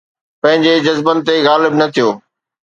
پنهنجي جذبن تي غالب نه ٿيو